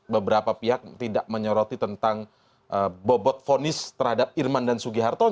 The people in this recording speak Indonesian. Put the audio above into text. beberapa pihak tidak menyoroti tentang bobot fonis terhadap irman dan sugiharto